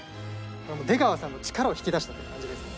出川さんの力を引き出したって感じですね。